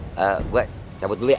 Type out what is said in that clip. ee gua cabut dulu ya